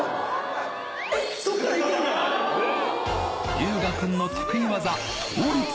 龍芽くんの得意技、倒立。